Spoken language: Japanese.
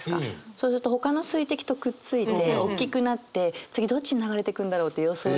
そうするとほかの水滴とくっついておっきくなって次どっちに流れてくんだろうって予想して。